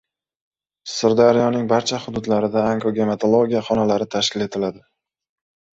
Sirdaryoning barcha hududlarida onko-gematologiya xonalari tashkil etiladi